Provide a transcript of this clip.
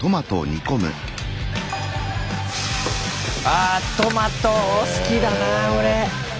あトマト好きだな俺。